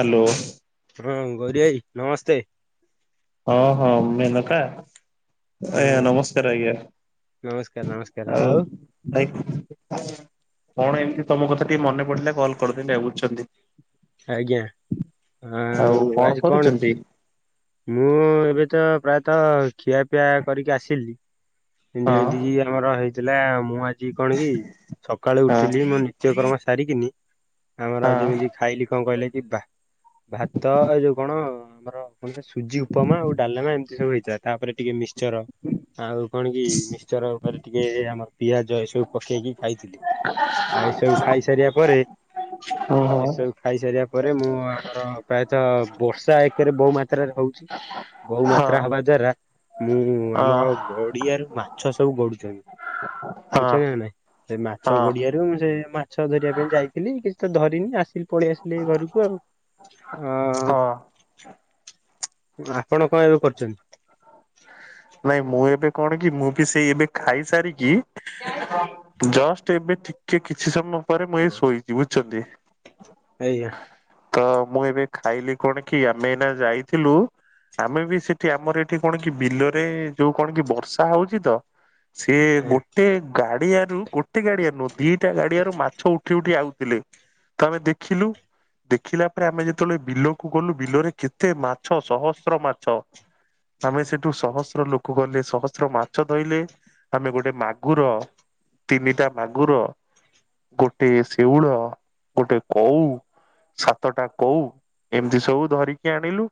Hello ହଁ ଗୌରୀ ଭାଇ, ନମସ୍ତେ। ହଁ ହଁ ମେନକା ଆଜ୍ଞା, ହଁ ନମସ୍କାର ଆଜ୍ଞା। ନମସ୍କାର ନମସ୍କାର ଆଉ, ଭାଇ। କଣ ଏମିତି ତମ କଥା ଟିକେ ମନେ ପଡିଲା କଲ କରିଦେଲି ଆଉ ବୁଝୁଛନ୍ତି। ଆଜ୍ଞା, ଆଉ ଆଜି କଣ ଖି ମୁଁ ଏବେ ତ ପ୍ରାୟତଃ ଖିଆପିଆ କରିକି ଆସିଲି। ପିଣ୍ଡ ହଁ ଯେମିତି କିି ଆମର ହେଇଥିଲା ମୁଁ ଆଜି କଣ କି। ସକାଳୁ ହଁ ଉଠିଲି ମୋ ନିତ୍ୟକ୍ରମ। ସାରିକିନି ଆମର ଯେମିତି ଖାଇଲି କଣ କହିଲେ କି ବା ଭାତ ଏ ଯୋଉ କଣ ଆମର କଣ ସେ ସୁଜି ଉପମା ଆଉ ଡାଲେମା ଏମିତି ସବୁ ହେଇଥିଲା ତାପରେ। ଟିକେ ମିସଚର ଆଉ କଣ କି ମିସଚର ଉପରେ ଟିକେ ଆମର ପିଆଜ ଏ ସବୁ ପକେଇକି। ଖାଇଥିଲି, ଆ ଏସବୁ ଖାଇସାରିବା ପରେ। ହଁ ଏସବୁ ଖାଇ ସାରିବା ପରେ ମୁଁ ଆମର ପ୍ରାୟ। ତ ବର୍ଷା ଏକରେ ବହୁ ମାତ୍ରାରେ ହଉଛି ବହୁ ହଁ ହଁ ମାତ୍ରା ହବା ଦ୍ଵାରା। ମୁଁ ଆମ ଗଡିଆରୁ ମାଛ ସବୁ ଗଡୁଛନ୍ତି ହଁ ବୁଝୁଛ ନା ନାଇଁ। ସେ ମାଛ ହଁ ଗଡିଆରୁ ସେ ମାଛ ଧରିବା ପାଇଁ ଯାଇଥିଲି କିଛି ତ ଧରିନି ଆସିଲି। ପଳେଇ ଆସିଲି ଘରକୁ ଆଉ ଆ। ହଁ ହଁ ଆପଣ କଣ ଏବେ କରୁଛନ୍ତି? ନାଇଁ, ମୁଁ ଏବେ କଣ କି ମୁଁ ବି ସେଇ ଏବେ ଖାଇସାରିକି। ଜଷ୍ଟ ଏବେ ଟିକେ କିଛି ସମୟ ପରେ ମୁଁ ଏଇ ଶୋଇଛି ବୁଝୁଛନ୍ତି। ଏଇଆ ତ ମୁଁ ଏବେ ଖାଇଲି କଣ କି ଆମେନା ଯାଇଥିଲୁ ଆମେ ବି ସେଠି ଆମର ଏଠି କଣ କି ବିଲ ଏ ଯୋଉ କଣ କି ବର୍ଷା ହଉଛି ତ ସିଏ ଏଇଆ ଗୋଟେ ଗାଡିଆ ରୁ ଗୋଟେ ଗୋଟେ ଗାଡିଆ ନୁହଁ ଦିଟା ଗାଡିଆରୁ ମାଛ ଉଠି ଉଠି ଆଉଥିଲେ ତ ଆମେ ଦେଖିଲୁ। ଦେଖିଲା ପରେ ଆମେ ଯେତେବେଳେ ବିଲକୁ ଗଲୁ ବିଲରେ କେତେ ମାଛ ସହସ୍ର ମାଛ। ଆମେ ସେଠୁ ସହସ୍ର ସହସ୍ର ଲୋକ ଗଲେ ସହସ୍ର ମାଛ ଧଇଲେ ଆମେ ଗୋଟେ ମାଗୁର ତିନିଟା ମାଗୁର ଗୋଟେ ଶେଉଳ ଗୋଟେ କଉ ସାତଟା କଉ ଏମିତି ସବୁ ଧରିକି ଆଣିଲୁ।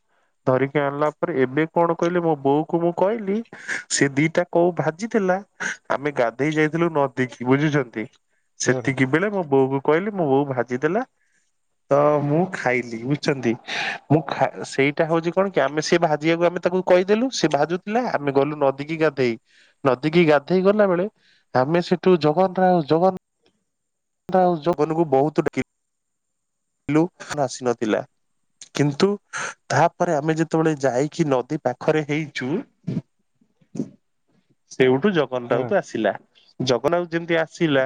ଧରିକି ଆଣିଲା ପରେ ଏବେ କଣ କହିଲେ ମୋ ବୋଉ କୁ ମୁଁ କହିଲି, ସେ ଦିଟା କଉ ଭାଜିଥିଲା ଆମେ ଗାଧେଇ ଯାଇଥିଲୁ ନଦୀ କୁ ବୁଝିଛନ୍ତି। ମୋର ସେତିକି ବେଳେ ମୋ ବୋଉ କୁ କହିଲି ମୋ ବୋଉ ଭାଜିଦେଲା। ତ ମୁଁ ଖାଇଛି ବୁଝିଛନ୍ତି, ମୁଁ ସେଇଟା ହଉଛି କଣ କି ଆମେ ସେ ଭାଜିଆ କୁ ଆମେ ତାକୁ କହିଦେଲୁ ସେ ଭାଜୁ ହେଲା ଆମେ ଗଲୁ ନଦୀ କିି ଗାଧେଇ, ନଦୀ କିି ଗାଧେଇ ଗଲା ବେଳେ ଆମେ ସେଠୁ ଜମାତା ଜମା ତା ଆଉ ଜଗନକୁ ବହୁତ ଡାକିଲି ପିଲୁ ଆସି ନଥିଲା। କିନ୍ତୁ ତାପରେ ଆମେ ଯେତେବେଳେ ଯାଇକି ନଦୀ ପାଖରେ ହେଇଛୁ ସେଉଠୁ ଜଗନ୍ ହଁ ରାଉତ ଆସିଲା। ଜଗନ ଆଉ ଯେମିତି ଆସିଲା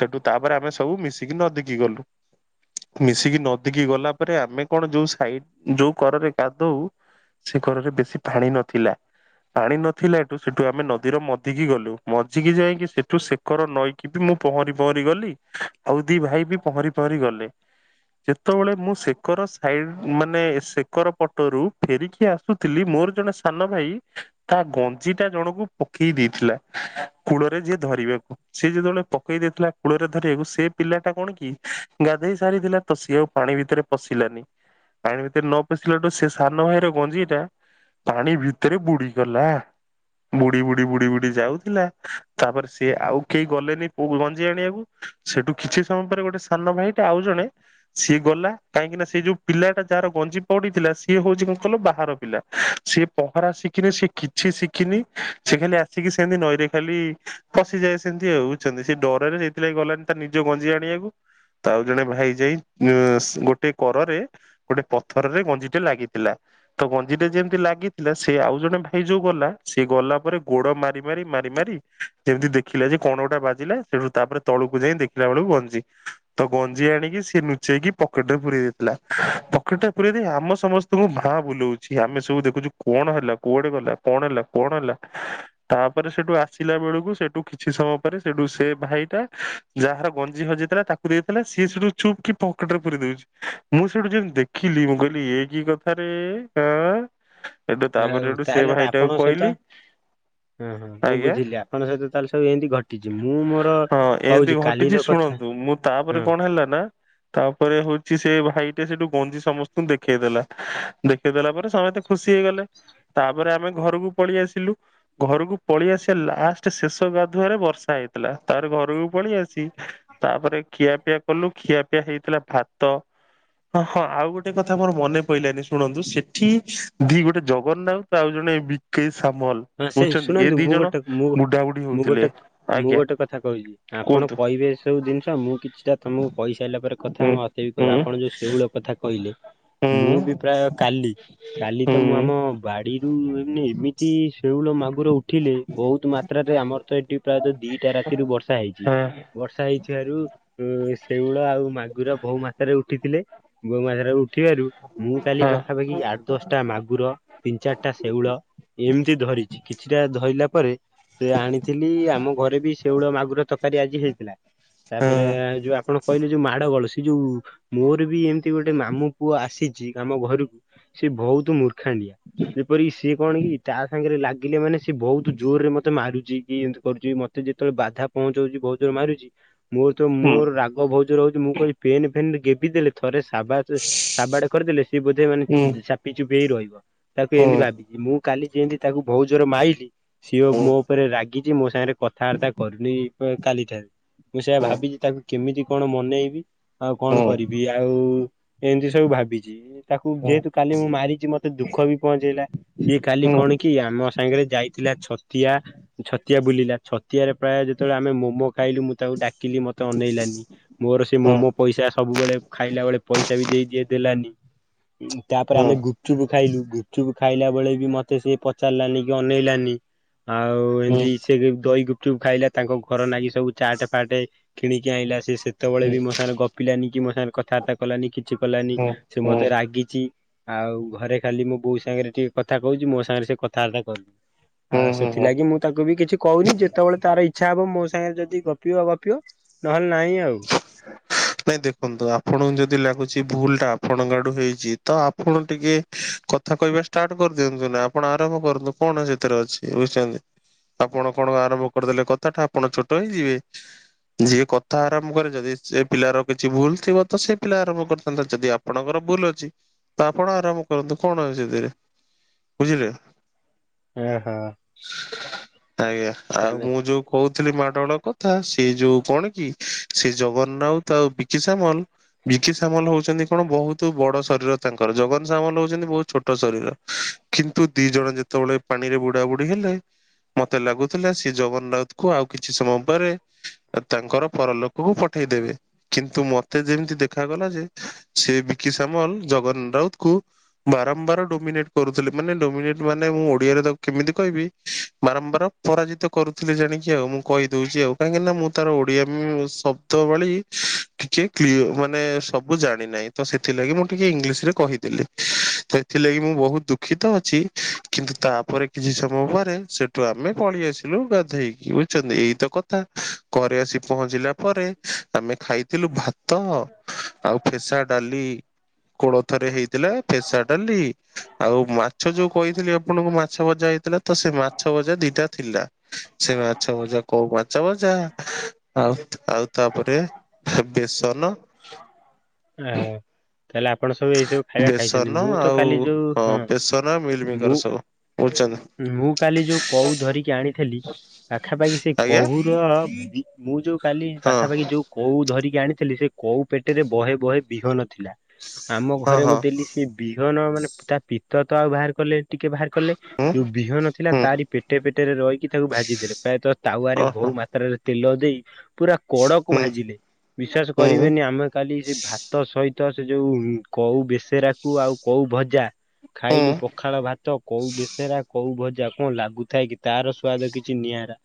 ସେଠୁ ତାପରେ ଆମେ ସବୁ ମିଶିକି ନଦୀକି ଗଲୁ। ମିଶିକି ନଦୀ କି ଗଲା ପରେ ଆମେ କଣ ଯୋଉ ସାଇଡ ଯୋଉ କରରେ ଗାଧଉ। ସେ କରରେ ବେଶୀ ପାଣି ନଥିଲା। ପାଣି ନଥିଲା ଏଠୁ ସେଠୁ ଆମେ ନଦୀର ମଝିକି ଗଲୁ ମଝିକୁ ଯାଇକି ସେଠୁ ସେକର ନଈକି ଫୁ ମୁଁ ପହଁରି ପହଁରି ଗଲି, ଆଉ ଦି ଭାଇ ବି ପହଁରି ପହଁରି ଗଲେ। ଯେତେବେଳେ ମୁଁ ସେକର ସାଇଡ ମାନେ ସେକର ପଟରୁ ଫେରିକି ଆସୁଥିଲି ମୋର। ଜଣେ ସାନ ଭାଇ ତା ଗଞ୍ଜି ଟା ଜଣକୁ ପକେଇ ଦେଇଥିଲା କୂଳରେ ଯିଏ ଧରିବାକୁ ସେ ଯେତେବେଳେ ପକେଇ ଦେଇଥିଲା କୂଳରେ ଧରିବାକୁ ସେ ପିଲା ଟା କଣ କି ଗାଧୋଇ ସାରିଥିଲା ତ ସିଏ ଆଉ ପାଣି ଭିତରେ ପଶିଲାନି। ପାଣି ଭିତରେ ନ ପଶିଲାଠୁ ସେ ସାନ ଭାଇର ଗଞ୍ଜି ଟା। ପାଣି ଭିତରେ ବୁଡିଗଲାଣି। ବୁଡି ବୁଡି ବୁଡି ବୁଡି ଯାଉଥିଲା ତାପରେ ସିଏ ଆଉ କେହି ଗଲେନି ପୋ ଗଞ୍ଜି ଆଣିଆକୁ। ସେଠୁ କିଛି ସମୟ ପରେ ଗୋଟେ ସାନ ଭାଇ ଆଉ ଜଣେ ସିଏ ଗଲା କାହିଁକି ନା ସେ ଯୋଉ ପିଲାଟା ଯାହାର ଗଞ୍ଜି ପଡିଥିଲା ସିଏ ହଉଛି କଣ କହିଲ ପା ହାର ପିଲା ସିଏ ପହଁରା ଶିଖିନି ସେ କିଛି ଶିଖିନି ସେ ଖାଲି ଆସିକି ସେମତି ନଈରେ ଖାଲି। ପଶିଯାଏ ସେମିତି ଆଉ ବୁଝୁଛନ୍ତି ସେ ଡରରେ ସେଇଥିଲାଗି ଗଲାନି ତା ନିଜ ଗଞ୍ଜି ଆଣିବାକୁ ଆଉ ଜଣେ ଭାଇ ଯାଇ ଉ ସ ଗୋଟେ କରରେ ଗୋଟେ ପଥରରେ ଗଞ୍ଜିଟେ ଲାଗିଥିଲା। ତ ଗଞ୍ଜିଟା ଯେମିତି ଲାଗିଥିଲା ସେ ଆଉ ଜଣେ ଭାଇ ଯୋଉ ଗଲା ସେ ଗଲା ପରେ ଗୋଡ ମାରି ମାରି ମାରି ମାରି ମାରି ଯେମତି ଦେଖିଲା ଯେ କଣ ଗୋଟା ବାଜିଲା ସେଠୁ ତାପରେ ତଳକୁ ଯାଇ ଦେଖିଲା ବେଳକୁ ଗଞ୍ଜି। ତ ଗଞ୍ଜି ଆଣିକି ସେ ଲୁଚେଇକି ପକେଟ ରେ ପୁରଇ ଦେଇଥିଲା, ପକେଟ ରେ ପୁରଇ ଦେଇ ଆମ ସମସ୍ତଙ୍କୁ ଫା ହଁ ବୁଲଉଛି ଆମେ ସବୁ ଦେଖୁଛୁ କଣ ହେଲା, କୁଆଡେ ଗଲା, କଣ ହେଲା, କଣ ହେଲା ତାପରେ ସେଠୁ ତ ଆସିଲା ବେଳକୁ ସେଠୁ କିଛି ସମୟ ପରେ ସେଠୁ ସେ ଭାଇ ଟା ଯାହାର ଗଞ୍ଜି ହଜିଥିଲା ତାକୁ ଦେଇଥିଲା ସିଏ ସେଠୁ ଚୁପ୍ କି ପକେଟରେ ପୁରେଇ ଦଉଛି ମୁଁ ସେଠୁ ଯେମିତି ଦେଖିଲି ମୁଁ କହିଲି ଏ କି କଥାରେ ଏ ଆଁ ଏଠୁ ଆଉ ତାପରେ ସେଠୁ ସେ ତାହେଲେ ତ ଭାଇଟାକୁ ଆପଣଙ୍କ ସହିତ କହିଲି ହଁ ହଁ ମୁଁ ଆଜ୍ଞା ବୁଝିଲି ଆପଣଙ୍କ ସହିତ ତାହେଲେ ସବୁ ଏମିତି ଘଟିଛି ମୁଁ ମୋର ହଁ ଏମିତି କହୁଛି ଘଟିଛି କାଲିର କଥା ଶୁଣନ୍ତୁ ମୁଁ ହଁ ତାପରେ କଣ ହେଲା ନା ତାପରେ ହଉଛି ସେ ସେ ଭାଇଟେ ସେଇଠୁ ଗଞ୍ଜି ସମସ୍ତଙ୍କୁ ଦେଖେଇଦେଲା ଦେଖେଇ ଦେଲା ପରେ ସମସ୍ତେ ଖୁସି ହେଇଗଲେ। ତାପରେ ଆମେ ଘରକୁ ପଳେଇ ଆସିଲୁ ଘରକୁ ପଳେଇ ଆସିଆ ଲାଷ୍ଟ ଶେଷ ଗାଧୁଆରେ ବର୍ଷା ହେଇ ଥିଲା ତାପରେ ଘରକୁ ପଳେଇ ଆସି ତାପରେ। ଖିଆପିଆ କଲୁ ଖିଆପିଆ ହେଇଥିଲା ଭାତ ହଁ ହଁ ଆଉ ଗୋଟେ କଥା ମୋର ମନେ ପଇଲାନି ଶୁଣନ୍ତୁ- ସେଠି ଦି ଗୋଟେ ଜଗନ୍ନାଥ ଆଉ ଜଣେ [unintelligible] ସାମଲ ହଁ ସେ ହଉଛନ୍ତି ଏ ଶୁଣନ୍ତୁ ଦି ମୁଁ ଜଣ ଗୋଟେ ମୁଁ ବୁଢାବୁଢୀ ମୁଁ ହଉଥିଲେ, ଆଜ୍ଞା। କଣ କୁହନ୍ତୁ। କହିବେ ସବୁ ଜିନିଷ ମୁଁ? କିଛିଟା ତମକୁ କଇସାରଲା ପରେ କଥା ହୁଁ ମତେ ବି କହିବେ, ହୁଁ ଆପଣ ଯୋଉ ସେଉଳ କଥା କହିଲେ ମୁଁ ବି ହୁଁ ପ୍ରାୟ କାଲି କାଲି ତ ମୁଁ ହୁଁ ଆମ ବାଡିରୁ ଏମିତି ସେଉଳ, ମାଗୁର ଉଠିଲେ ବହୁତ ମାତ୍ରାରେ ଆମର ତ ଏଠି ପ୍ରାୟତଃ ଦିଟା ରାତିରୁ ବର୍ଷା ହେଇଛି ହଁ ବର୍ଷା ହେଇଥିବାରୁ ଉ ଶେଉଳ ଆଉ ମାଗୁର ବୋଉ ମାତ୍ରାରେ ଉଠିଥିଲେ, ବୋଉ ମାତାରେ ଉ ଥିବାରୁ ମୁଁ କାଲି ହଁ ପାଖାପାଖି ଆଠ ଦଶଟା ମାଗୁର ତିନି ଚାରିଟା ଶେଉଳ ଏମ ଧରିଛି, କିଛିଟା ଧଇଲା ପରେ, ସେ ଆଣିଥିଲି ଆମ ଘରେ ବି ସେଉଳ ମାଗୁର ତରକାରୀ ଆଜି ହେଇଥିଲା ତାପରେ ହଁ ଯୋଉ ଆପଣ କହିଲେ ଯୋଉ ମାଡଗୋଳ ସେ ଯୋଉ ମୋର ବି ଏମ ଗୋଟେ ମାମୁ ପୁଅ ଆସିଛି ଆମ ଘରକୁ, ସେ ବହୁତ ମୂର୍ଖ ଖାଣ୍ଡିଆ ଯେପରିକି ସିଏ କଣ କି ତା ସାଙ୍ଗରେ ଲାଗିଲେ ମାନେ ସିଏ ବହୁତ ଜୋରରେ ମତେ ମାରୁଛି କି ଏମତି କରୁଛି ମତେ ଯେତେବେଳେ ବାଧା ପହଞ୍ଚଉଛି ବହୁତ ଯୋର ମାରୁଛି। ମୋର ତ ହୁଁ ମୋର ରାଗ ବହୁତ ଯୋରେ ହଉଛି, ମୁଁ କହୁଛି ଫେନ୍ ଫେନରେ ଗେବି ଦେଲେ ଥରେ ସାବା ସାବାଟେ କରିଦେଲେ ସିଏ ବୋଧେ ହୁଁ ମାନେ ଚାପି ଚୁପି ହେଇ ରହିବ, ତାକୁ ହୁଁ ଏମିତି ଭାବିଛି ମୁଁ କାଲି ଯେମତି ତାକୁ ବୋଉ ଜୋର ମାଇଲିି ସିଏଅ ହୁଁ ମୋ ଉପରେ ରାଗିଛି ମୋ ସାଙ୍ଗରେ କଥାବାର୍ତ୍ତା କରୁନି କାଲି ଠାରୁ, ମୁଁ ସେଇଆ ହୁଁ। ଭାବିଛି ତାକୁ କେମିତି କଣ ମନେଇବି। ଆଉ କଣ ନାଇଁ କରିବି ଆଉ ଏମିତି ସବୁ ଭାବିଛି। ତାକୁ ଯେହେତୁ କାଲି ମୁଁ ମାରିଛି ମତେ ଦୁଃଖ ବି ପହଞ୍ଚେଇଲା। ସିଏ କାଲି କଣ କି ଆମ ସାଙ୍ଗରେ ଯାଇଥିଲା ଛତିଆ, ଛତିଆ ବୁଲିଲା ଛ ତିଆରେ ପ୍ରାୟ ଯେତେବେଳେ ଆମେ ମୋମୋ ଖାଇଲୁ ମୁଁ ତାକୁ ଡାକିଲି ମତେ ଅନେଇଲାନି, ମୋର ସେ ମୋମୋ ପଇସା ସବୁବେଳେ ଖାଇଲା ବେଳେ ପଇସା ବି ଦେଇଦିଏ, ଦେଲାନି, ତାପରେ ଆମେ ଗୁପଚୁପ ଖାଇଲୁ ଗୁପଚୁପ ଖାଇଲା ବଳେ ବି ମତେ ସିଏ ପଚାରିଲାନି କି ଅନେଇଲାନି, ଆଉ ଏମିତି ସେ ଦହି ଗୁପଚୁପ ଖାଇଲା ତାଙ୍କ ଘର ନାଗି ସବୁ ଚାଟ ଫାଟ କିଣିକି ଆଣିଲା ସେ ସେତେବେଳେ ବି ମୋ ସାଙ୍ଗରେ ଗପିଲାନି କି, ମୋ ସାଙ୍ଗ କଥାବାର୍ତ୍ତା କଲାନି, କିଛି କଲାନି, ସେ ମତେ ରାଗିଛି। ଆଉ ଘରେ ଖାଲି ମୋ ବୋଉ ସାଙ୍ଗରେ ଟିକେ କଥା କହୁଛି ମୋ ସାଙ୍ଗରେ ସେ କଥାବାର୍ତ୍ତା କରୁନି। ଆଁ ସେଥିଲାଗି ମୁଁ ତାକୁ ବି କିଛି କହୁନି, ଯେତେବେଳେ ତାର ଇଛା ଛା ହବ ମୋ ସାଙ୍ଗରେ ଯଦି ଗପିବ ଗପିବ ନହେଲେ ନାହିଁ ଆଉ ଦେଖନ୍ତୁ ଆପଣଙ୍କୁ ଯଦି ଲାଗୁଛି ଭୁଲ ଟା ଆପଣଙ୍କ ହେଇଛି ତ ଆପଣ ଟିକେ କଥା କହିବା ଷ୍ଟାର୍ଟ କରିଦିଅନ୍ତୁ ନା ଆପଣ ଆରମ୍ଭ କରନ୍ତୁ କଣ ସେ [unintelligible] ଆପଣ କଣ ଆରମ୍ଭ କରିଦେଲେ କଥା ଟା, ଆପଣ ଛୋଟ ହେଇଯିବେ, ଯିଏ କଥା ଆରମ୍ଭ କରି ଯଦି ସେ ପିଲାର କିଛି ଭୁଲ ଥିବ ତ ସେ ପିଲା ଆରମ୍ଭ କରିଥାନ୍ତା ଯଦି ଆପଣଙ୍କର ଭୁଲ ଅଛି ତ ଆପଣ ଆରାମ କରନ୍ତୁ କଣ ଆଉ ସେ ଧରେ ବୁଝିଲେ? ହଁ ହଁ। ଆଜ୍ଞା ଆଉ ମୁଁ ଯୋଉ କହୁଥିଲି ମାଡଳ କଥା ସିଏ ଯୋଉ କଣ କି? ସେ ଜଗନ୍ନାଉତ ଆଉ ବିକି ସ୍ୟାମଲ ବିକି ସ୍ୟାମଲ ହଉଛନ୍ତି କଣ ବହୁତ ବଡ ଶରୀର ତାଙ୍କର ଜଗନ୍ ସାମଲ ହଉଛନ୍ତି ବହୁତ ଛୋଟ ଶରୀର କିନ୍ତୁ ଦି ଜଣ ଯେତେବେଳେ ପାଣି ରେ ବୁଡା ବୁଡି ହେଲେ ମତେ ଲାଗୁଥିଲା ସେ ଜଗନ୍ନାଥ କୁ ଆଉ କିଛି ସମୟ ପରେ ତାଙ୍କର ପରଲୋକ କୁ ପଠେଇଦେବେ। କିନ୍ତୁ ମତେ ଯେମିତି ଦେଖାଗଲା ଯେ ସେ ବିକି ଶ୍ୟାମଲ ଜଗନ ରାଉତ କୁ ବାରମ୍ବାର ଡୋମିନେଟ କରୁଥିଲ ମାନେ ଡୋମିନେଟ ମାନେ ମୁଁ ଓଡିଆରେ କେମିତି କହିବି ବାରମ୍ବାର ପରାଜିତ କରୁଥିଲି ଜାଣିକି ଆଉ ମୁଁ କହିଦଉଛି ଆଉ କାହିଁକି ନା ମୁଁ ତାର ଓଡିଆ ଶବ୍ଦ ଭଳି ଟିକେ କ୍ ମାନେ ସବୁ ଜାଣିିନହିଁ ତ ସେଥିଲାଗି ମୁଁ ଟିକେ ଇଂଲିଶ ରେ କ କହିି ସେଥିଲାଗି ମୁଁ ବହୁତ ଦୁଃଖିତ ଅ କିନ୍ତୁ ତାପରେ କିଛି ସମୟ ପରେରେ ସେଠୁ ଆମେ ପଳେଇ ଆସିଲୁ ଗାଧୋଇକି ବୁଝଛନ୍ତି ଏଇତ କଥା ଘରେ ଆସି ପହଞ୍ଚିଲା ତା ପରେ ଆମେ ଖାଇଥିଲୁ ଭାତ ଆଉ ଫେସା ଡାଲି କୋଳଥରେ ହେଇଥିଲା ଫେସା ଡାଲି ଆଉ ମାଛ ଯୋଉ କହିଥିଲି ଆପଣଙ୍କୁ ମା ମାଛଭଜା ହେଇଥିଲା ତ ସେ ମାଛଭଜା ଦିଟା ଥିଲା ସେ ମାଛଭଜା କଉ ମାଛଭଜା। ଆଉ ଆଉ ତାପରେ ବେସନ, ଓହୋ ତାହେଲେ ଆପଣ ସବୁ ଏଇ ସବୁ ଖାଇବା ଖାଇଛନ୍ତି ବେସନ ମୁଁ ତ ଆଉ କାଲି ଯୋଉ ହଁ ବେସନ ମୁଁ ମିଲମିକର ସବୁ [unintelligible] ମୁଁ କାଲି ଯୋଉ କଉ ଧରିକି ଆଣିଥିଲି। ପାଖାପାଖି ସେ ଆଜ୍ଞା। କହୁୁର ମୁ କାଲି ହଁ ପାଖାପାଖି ଯୋଉ କଉ ଧରିକି ଆଣିଥିଲି ସେ କଉ ପେଟରେ ବହେ ବହେ ବିହନ ଥିଲା। ଆମ ହଁ ଘରେ ମୁଁ ହଁ ଦେଲି ସେ ବିହନ ମାନେ ତା ପିତ ତ ଆଉ ବାହାର କଲେ ଟିକେ ବାହାର କଲେ ହୁଁ ଯୋଉ ବିହନ ଥିଲା ହୁଁ ତାରି ପେଟେ ପେଟରେ ରହିକି ତାକୁ ଭାଜି ଦେଲେ ପ୍ରାୟତଃ ତାୱାରେ ଓହୋ ବହୁ ମାତ୍ରାରେ ତେଲ ଦେଇ ପୁରା କଡକୁ ହୁଁ ଭାଜିଲେ ବିଶ୍ୱାସ ହୁଁ ହୁଁ କରିବେନି ଆମେ କାଲି ସେ ଭାତ ସହିତ ତ ସେ ଯୋଉ କଉ ବେସେରାକୁ ଆଉ କଉ ଭଜା ହୁଁ ଖାଇଲୁ ପଖାଳ ଭାତ କଉ ବେସ କୋଉ ଭଜା କଣ ଲାଗୁଥାଏ କି ତାର ସ୍ଵାଦ କିଛି ନିଆରା।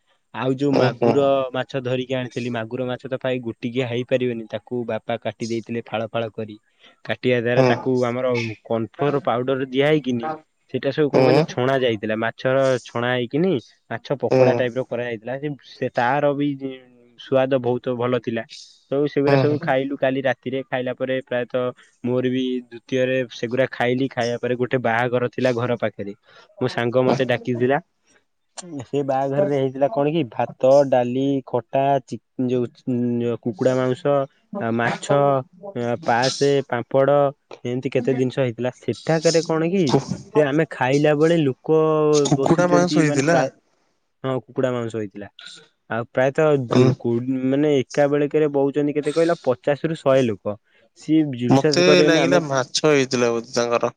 ଆଉ ଯୋଉ ହୁଁ ମାଗୁର ମାଛ ଧରିକି ଆଣିଥିଲି ମାଗୁର ମାଛ ତ ପାଇ ଗୋଟିକିଏ ହେଇପାରିବେନି ତାକୁ ବାପା କାଟି ଦେଇଥିଲେ ଫାଳ ଫାଳ କରି କାଟିବା ଦ୍ଵାରା ହୁଁ ତାକୁ ଆମର କନଫ୍ଲୋର ପାଉଡର ଦିଆ ହେଇକିନି ସେଇଟା ସବୁ କଣ କହିଲ ହୁଁ ହୁଁ ହେଇଥିଲା ମାଛର ଛଣା ହେଇକିନି ମାଛ ପକୋଡା ଟାଇପର କରାଯାଇଥିଲା ସେ ସେ ତାର ବି ସୁଆଦ ବହୁତ ଭଲ ଥିଲା ତୁ ସେଗୁଡା ସବୁ ଖାଇଲୁ କାଲି ରାତି ରାତିରେ ଖାଇଲା ପରେ ପ୍ରାୟତଃ ମୋର ବି ଦ୍ଵିତୀୟରେ ସେଗୁଡ଼ା ଖାଇଲି, ଖାଇବା ପରେ ଗୋଟେ ବାହାଘର ଥିଲା ଘର ପାଖରେ ମୋ ସାଙ୍ଗ ମତେ ଡାକିଥିଲା। ସେ ବାହାଘରରେ ହେଇଥିଲା କଣ କି ଭାତ, ଡାଲି, ଖଟା ଯୋଉ କୁକୁଡ଼ା ମାଉଁସ, ମାଛ, ପାଆସ, ପାମ୍ପଡ଼ ଏମିତି କେତେ ଜିନିଷ ହେଇଥିଲା ସେଠାକରେ କଣ କି ସେ ଆମେ ଖା ଖାଇଲା ବେଳେ ଲୋକ କୁକୁଡା ମାଂସ ବସୁଛନ୍ତି ମାନେ ହେଇଥିଲା ପ୍ରାୟ ହଁ କୁକୁଡା ମାଂସ ହେଇ ଆଉ ପ୍ରାୟତଃ ଦୁ ଉଁ ମାନେ ଏକା ବେଳେକେ ରେ ବଉଛନ୍ତି କେତେ କହିଲ ପଚାଶରୁ ଶହେ ଲୋକ ସିଏ ମତେ ବିଶ୍ୱାସ କରିବନି ଲାଗିଲା ଆମେ ମାଛ ହେଇଥିଲା ବୋଧେ ତାଙ୍କର।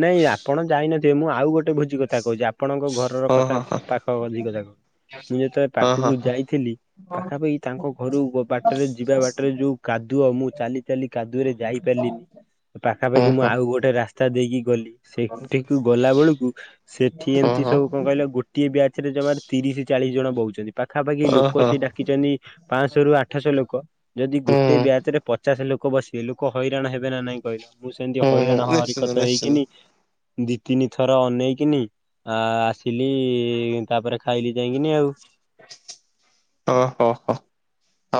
ନାଇଁ ଆପଣ ମୁଁ ଆଉ ଗୋଟେ ଭୋଜି କଥା କହୁଛି ଆପଣଙ୍କ ଘରର ହଁ କଥା ହଁ ହଁ ପାଖ ଭୋଜି କଥା କହୁନି। ମୁଁ ଯେତେବେଳେ ହଁ ପାଖକୁ ହଁ ଯାଇଥିଲି। ପାଖାପାଖି ତାଙ୍କ ଘରୁ ବାଟରେ ଯିବା ବାଟରେ ଯୋଉ କାଦୁଅ ମୁଁ ଚାଲି ଚାଲି କାଦୁଅରେ ଯାଇପାରି ହଁ ପାଖାପାଖି ମୁଁ ହଁ ଆଉ ଗୋଟେ ରାସ୍ତା ଦେଇକି ଗଲି। ସେଠିକୁ ଗଲା ବେଳକୁ ସେଠି ହଁ ଏମିତି ହଁ ସବୁ କଣ କହିଲ ଗୋଟିଏ ବ୍ୟାଚରେ ଜମାରେ ତିରିଶ ଚାଳିଶ ଜଣ ବହୁଛନ୍ତି ପାଖାପାଖି ଲୋକ ଓହୋ ସେ ଡାକିଛନ୍ତି ପାଞ୍ଚଶରୁ ଆଠଶହ ଲୋକ ଯଦି ହୁଁ ଗୋଟେ ବ୍ୟାଚରେ ପଚାଶ ଲୋକ ଲୋକ ବସିବେ ଲୋକ ହଇରାଣ ହେବେ ନା ନାଇଁ କହିଲ, ମୁଁ ସେମିତି ହୁଁ ହୁଁ ହଇରାଣ ନିଶ୍ଚିନ୍ତ ହରିକତ ହେଇକିନି ନିଶ୍ଚିନ୍ତ ଦି ତିନି ଥର ଅନେଇକିନି ଆ ଆସିଲି ତାପରେ ଖାଇଲି ଯାଇକିନି ଆଉ। ଓହୋ ହୋ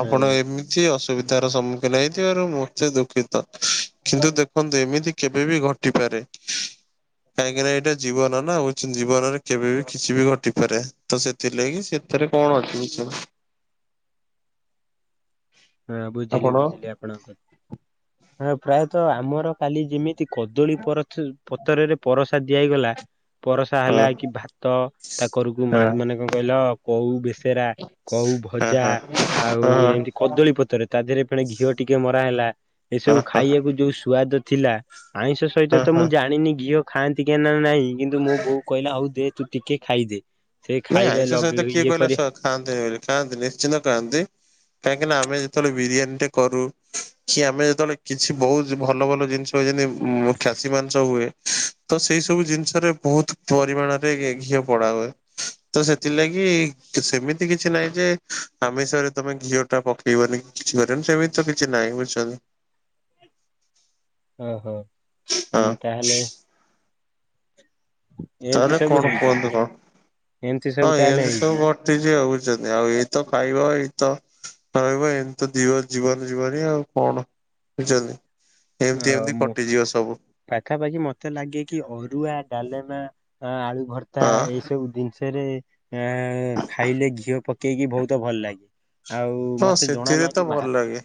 ଆପଣ ଏମିତି ଅ ବିଧାର ସମ୍ମୁଖୀନ ହେଇଥିବାରୁ ମୋତେ ଦୁଃଖିତ କିନ୍ତୁ ଦେଖନ୍ତୁ ଏମିତି କେବେ ବିି ଘଟିପାରେ। [unintelligible] କାହିଁକିନା ଏଇଟା ଜୀବନ ନା ହଉଚି ଜୀବନରେ କେବେ ବି କିଛି ବି ଘଟିପାରେ ତ ସେଥିଲାଗି ସେ ଏଥିରେ କଣ ଅଛି ବୁ ହଁ ବୁଝିଲି ବୁଝିଲି ଆପଣଙ୍କ ହଁ ପ୍ରାୟତଃ ଆମର କାଲି ଯେମିତି କଦଳୀ ପର ପତରରେ ପରସା ଦିଆ ହେଇଗଲା। ପରସା ହଁ ହେଲା କି ଭାତ ତା କରକୁ ମା ମାନେ କଣ କହିଲ କଉ ବେସେରା କଉ ହଁ ହଁ ଭଜା ହଁ ଆଉ ଏମତି। ହଁ କଦଳୀ ପତରେ ତା ଦେହରେ ଫେଣି ଘିଅ ଟିକେ ମରା ହେଲା ଏସବୁ ହଁ ଖାଇବାକୁ ଯୋଉ ସୁଆଦ ଥିଲା। ଆଇଁଷ ସହିତ ହଁ ତ ମୁଁ ହଁ ଜାଣିନି ଘିଅ ଖାଆନ୍ତି କେ ନା ନାଇଁ କିନ୍ତୁ ମୋ ବୋଉ କହିଲା ହଉ ଦେ ତୁ ଟିକେ ଖାଇଦେ। ସେ ନାଇଁ ଖାଇବା ଆଇଁଷ ସହିତ ଲଗେଇ କିଏ ଇଏ କହିଲା କରି ସ ଖାଆନ୍ତିନି ବୋଲି ଖାଆନ୍ତି ନିଶ୍ଚିନ୍ତ ଖାଆନ୍ତି। କାହିଁକିନା ଆମେ ଯେେବେଳେ ବିୟାନୀ କରୁ କି ଆମେ ଯେତେବେଳେ କିଛି ବହୁତ ଭଲ ଭଲ ଜିନିଷ ଯେମିତି ଉଁ ଖାସି ମାଂସ ହୁଏ। ତ ସେଇ ସବୁ ଜିନିଷରେ ବହୁତ ପରିମାଣରେ ଏ ଘିଅ ପୋଡ଼ା ହୁଏ। ତ ସେଥିଲାଗି ସେମିତି କିଛି ନାହିଁ ଯେ ଆମିଷରେ ତମେ ଘିଅ ଟା ପକେଇବ ନି କିଛି କରିବନି ସେମିତି ତ କିଛି ନାହିଁ ବୁଝୁଛନ୍ତି। ଅ ହଁ ହୁଁ ହଁ ତାହେଲେ ଏମିତି ତାହେଲେ ସବୁ କଣ ହେଇଛି କୁହନ୍ତୁ କଣ? ଏମିତି ହଁ ସବୁ ତାହେଲେ ଏମତି ସବୁ ହେଇଛି ଘଟିଛି ଆଉ ବୁଝୁଛନ୍ତି ଆଉ ଏଇତ ଖାଇବା ଏଇତ [unintelligible] ଏମତି ତ ଜୀବ ଯିବଭାରି ଆଉ କଣ ବୁଝୁଛନ୍ତି। ଅ ମୁଁ ପାଖାପାଖି ମତେ ଲାଗେ କି ଅରୁଆ ଡାଲେମା ଅ ଆଳୁ ଭର୍ତ୍ତା ହଁ ଏଇ ସବୁ ଜି ରେ ଆ ଖାଇଲେ ଘିଅ ପକେଇକି ବହୁତ ଭଲ ଲାଗେ। ଆଉ ହଁ ମତେ ଜଣା ସେଥିରେ ନା ତ କି ଭଲ ବାହା ଲାଗେ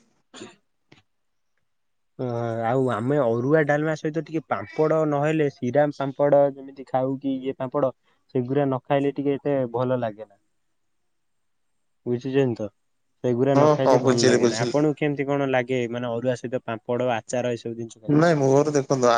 ଓ ଆଉ ଆମେ ଅରୁଆ ଡାଲମା ସହିତ ଟିକେ ପାମ୍ପଡ ନହେଲେ ଶ୍ରୀରାମ ପାମ୍ପଡ ଯେମି ଖାଉ କି ଇଏ ପାମ୍ପଡ ସେଗୁରା ନ ଖାଇଲେ ଟିକେ ଏତେ ଭଲ ଲାଗେ ନା। [inaudible] ବୁଝୁଚନ୍ତି ତ। ସେଗୁରା ହଁ ନ ହଁ ଖାଇଲେ ଭଲ ବୁଝିଲି ଲାଗେ ନା ବୁଝିଲି ଆପଣଙ୍କୁ କେମିତି କଣ ଲାଗେ ମାନେ ଅରୁଆ ସହିତ ପାମ୍ପଡ ଆଚାର ଏସ ନାଇଁ ମୋର ଦେଖନ୍ତୁ ଆ